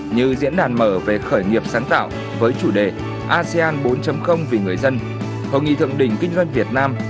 như diễn đàn mở về khởi nghiệp sáng tạo với chủ đề asean bốn vì người dân hội nghị thượng đỉnh kinh doanh việt nam